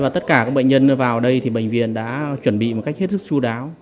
tất cả các bệnh nhân vào đây thì bệnh viện đã chuẩn bị một cách hết sức chú đáo